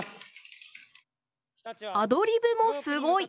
アドリブもすごい！